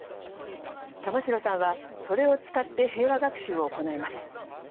玉城さんはそれを使って平和学習を行います。